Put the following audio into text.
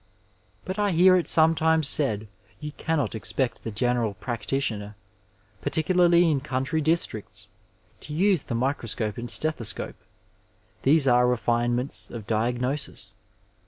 But I hear it sometimes said you cannot expect the general practitioner, particularly in country districts, to use the microscope and stethoscope — ^these are refinements of diagnosis.